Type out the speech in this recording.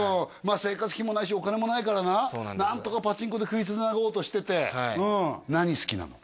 あ生活費もないしお金もないからななんとかパチンコで食いつなごうとしててうん何好きなの？